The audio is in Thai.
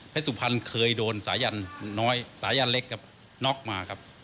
เจ๊สุพรันเคยโดนสายันน้อยสายันเล็กน็อคมาครับ